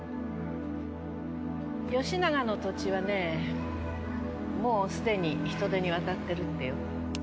よしながの土地はねもうすでに人手に渡ってるってよ。